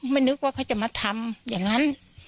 นึกว่าเขาจะมาทำอย่างนั้น